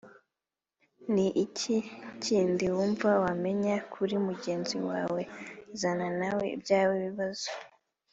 Ni iki kindi wumva wamenya kuri mugenzi wawe Zana nawe ibyawe bibazo